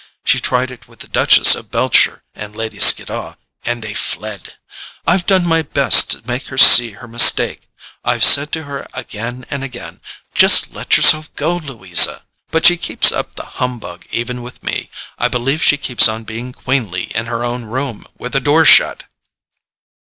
She tried it with the Duchess of Beltshire and Lady Skiddaw, and they fled. I've done my best to make her see her mistake—I've said to her again and again: 'Just let yourself go, Louisa'; but she keeps up the humbug even with me—I believe she keeps on being queenly in her own room, with the door shut.